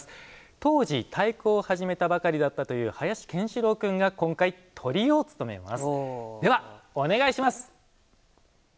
当時太鼓を始めたばかりだったという林健志郎君が今回トリを務めます。